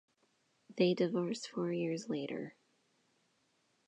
They divorced four years later.